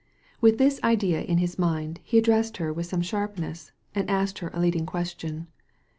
With this idea in his mind he addressed her with some sharpness, and asked her a leading question.